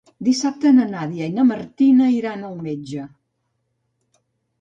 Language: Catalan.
Dissabte na Nàdia i na Martina iran al metge.